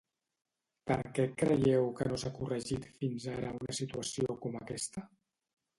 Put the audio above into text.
Per què creieu que no s’ha corregit fins ara una situació com aquesta?